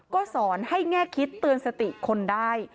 ก็สอนให้แง่คิดเตือนสติคนได้